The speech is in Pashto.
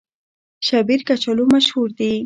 شیبر کچالو مشهور دي؟